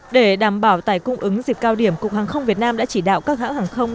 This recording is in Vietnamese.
để đảm bảo tải cung ứng dịp cao điểm cục hàng không việt nam đã chỉ đạo các hãng hàng không